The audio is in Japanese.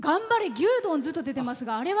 牛丼ズ」と出てますがあれは？